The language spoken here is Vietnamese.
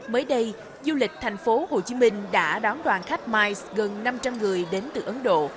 mới đây du lịch thành phố hồ chí minh đã đón đoàn khách miles gần năm trăm linh người đến từ ấn độ